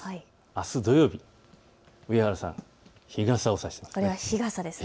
あす土曜日、上原さん、日傘を差していますね。